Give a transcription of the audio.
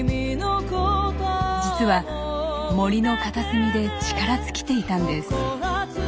実は森の片隅で力尽きていたんです。